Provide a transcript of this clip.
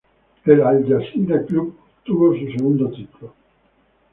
El Al-Jazira Club obtuvo su segundo título.